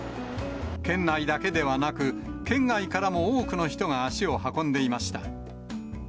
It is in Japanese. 県内だけではなく、県外からも多くの人が足を運んでいました。